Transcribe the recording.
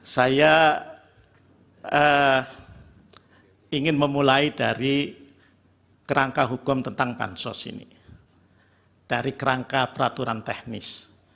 saya ingin memulai dari kerangka hukum tentang bansos ini dari kerangka peraturan teknis